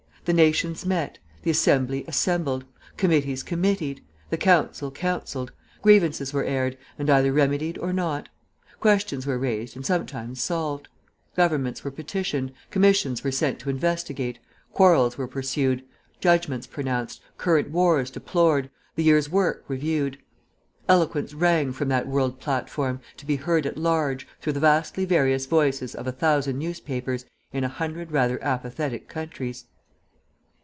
The nations met, the Assembly assembled, committees committeed, the Council councilled, grievances were aired and either remedied or not; questions were raised and sometimes solved; governments were petitioned, commissions were sent to investigate, quarrels were pursued, judgments pronounced, current wars deplored, the year's work reviewed. Eloquence rang from that world platform, to be heard at large, through the vastly various voices of a thousand newspapers, in a hundred rather apathetic countries.